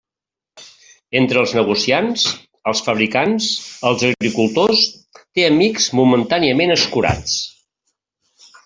Entre els negociants, els fabricants, els agricultors, té amics momentàniament escurats.